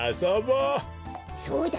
そうだ。